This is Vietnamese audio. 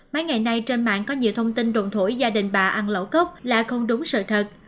mấy ngày nay trên mạng có nhiều thông tin đồn thổi gia đình bà ăn lẩu cốc là không đúng sự thật